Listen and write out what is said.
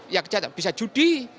ya kejahatannya bisa judi